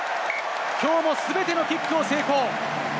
きょうも全てのキックを成功。